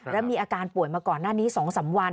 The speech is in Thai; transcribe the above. แล้วมีอาการป่วยมาก่อนหน้านี้๒๓วัน